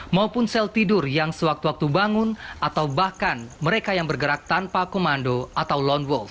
maupun sel tidur yang sewaktu waktu bangun atau bahkan mereka yang bergerak tanpa komando atau lone wolf